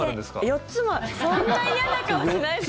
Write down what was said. ４つもそんな嫌な顔しないでください！